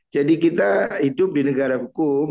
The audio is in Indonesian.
jadi kita hidup di negara hukum